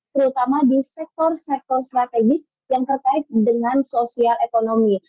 terutama di sektor sektor strategis yang terkait dengan sosial ekonomi